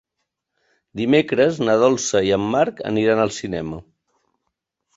Dimecres na Dolça i en Marc aniran al cinema.